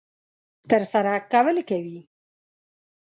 ترسره کول کوي.